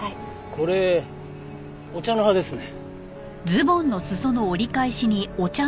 これお茶の葉ですね。